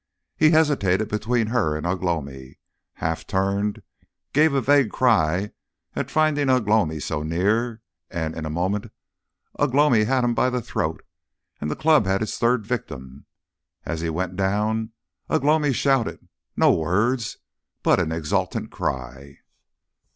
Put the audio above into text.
He hesitated between her and Ugh lomi, half turned, gave a vague cry at finding Ugh lomi so near, and in a moment Ugh lomi had him by the throat, and the club had its third victim. As he went down Ugh lomi shouted no words, but an exultant cry.